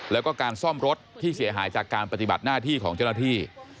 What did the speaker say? แล้วก็การซ่อมรถที่เสียหายจากการปฏิบัติหน้าที่ของเจ้าหน้าที่